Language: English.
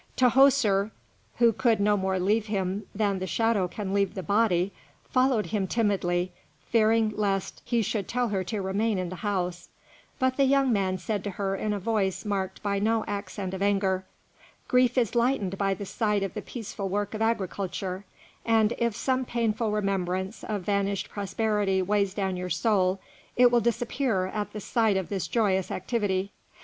Tahoser, who could no more leave him than the shadow can leave the body, followed him timidly, fearing lest he should tell her to remain in the house; but the young man said to her in a voice marked by no accent of anger, "Grief is lightened by the sight of the peaceful work of agriculture, and if some painful remembrance of vanished prosperity weighs down your soul, it will disappear at the sight of this joyous activity.